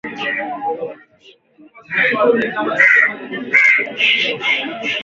Dalili za mnyama kuchanganyikiwa